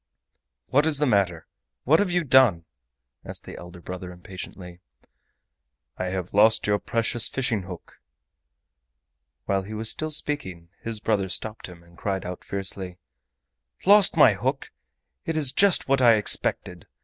"What is the matter?—what have you done?" asked the elder brother impatiently. "I have lost your precious fishing hook—" While he was still speaking his brother stopped him, and cried out fiercely: "Lost my hook! It is just what I expected.